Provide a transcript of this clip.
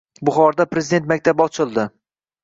Buxoroda Prezident maktabi ochilding